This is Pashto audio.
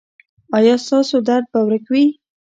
ایا ستاسو درد به ورک وي؟